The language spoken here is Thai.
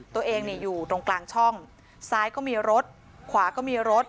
ตัวเองอยู่ตรงกลางช่องซ้ายก็มีรถขวาก็มีรถ